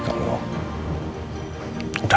gue tak tahu